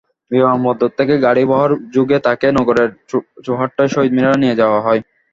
বিমানবন্দর থেকে গাড়িবহর যোগে তাঁকে নগরের চৌহাট্টায় শহীদ মিনারে নিয়ে যাওয়া হয়।